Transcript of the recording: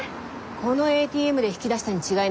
このＡＴＭで引き出したに違いないわね。